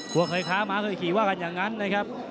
เคยค้าม้าเคยขี่ว่ากันอย่างนั้นนะครับ